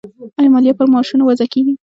آیا مالیه پر معاشونو وضع کیږي؟